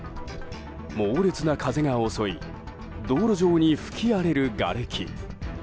猛烈な風が襲い道路上に吹き荒れるがれき。